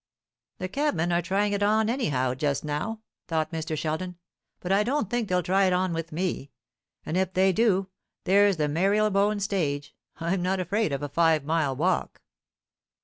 "The cabmen are trying it on, anyhow, just now," thought Mr. Sheldon; "but I don't think they'll try it on with me. And if they do, there's the Marylebone stage. I'm not afraid of a five mile walk."